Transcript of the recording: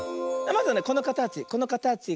まずこのかたち。